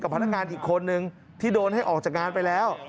พนักงานอีกคนนึงที่โดนให้ออกจากงานไปแล้ว